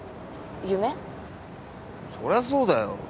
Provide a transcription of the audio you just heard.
そりゃそうだよ。